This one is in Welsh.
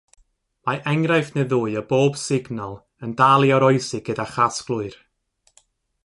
Mae enghraifft neu ddwy o bob signal yn dal i oroesi gyda chasglwyr.